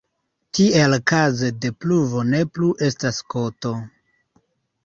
Tiel kaze de pluvo ne plu estas koto.